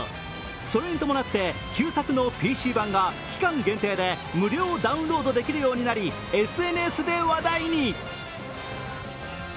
それに伴って、旧作のＰＣ版が期間限定で無料ダウンロードできるようになりＳＮＳで話題に。